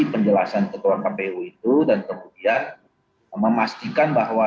penjelasan ketua kpu itu dan kemudian memastikan bahwa